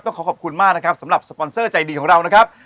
ขอขอบคุณมากนะครับสำหรับสปอนเซอร์ใจดีของเรานะครับ